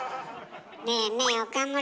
ねえねえ岡村。